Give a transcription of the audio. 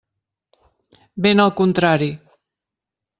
Ben al contrari.